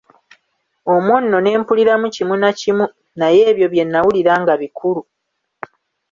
Omwo nno ne mpuliramu kimu na kimu, naye ebyo bye nawulira nga bikulu.